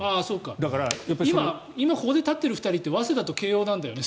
今ここで立ってる２人って早稲田と慶応なんだよね